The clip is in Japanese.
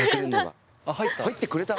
入ってくれた？